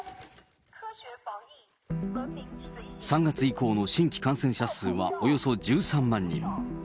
３月以降の新規感染者数はおよそ１３万人。